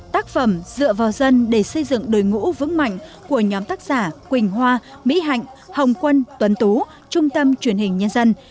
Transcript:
tác phẩm dựa vào dân để xây dựng đội ngũ vững mạnh của nhóm tác giả quỳnh hoa mỹ hạnh hồng quân tuấn tú trung tâm truyền hình nhân dân